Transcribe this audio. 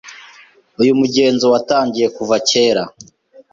Uyu mugenzo watangiye kuva kera.